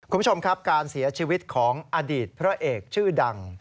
คุณผู้ชมครับการเสียชีวิตของอดีตพระเอกชื่อดัง